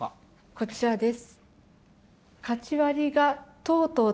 こちらです。